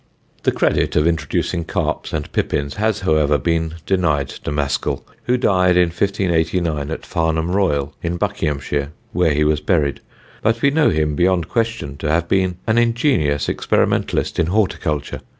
The credit of introducing carps and pippins has, however, been denied to Mascall, who died in 1589 at Farnham Royal in Buckinghamshire, where he was buried; but we know him beyond question to have been an ingenious experimentalist in horticulture.